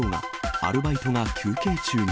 アルバイトが休憩中に。